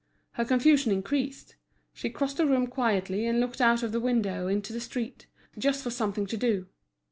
Her confusion increased; she crossed the room quietly and looked out of the window into the street, just for something to do.